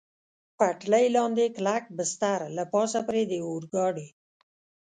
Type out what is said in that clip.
پټلۍ لاندې کلک بستر، له پاسه پرې د اورګاډي.